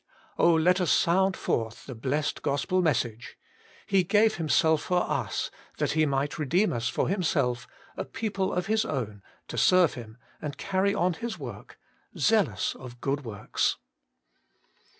Oh! let us sound forth the blessed Gospel message : He gave Himself for us that He might redeem us for Himself, a people of His own, to serve Him^ and carry on His work — zealous of good works.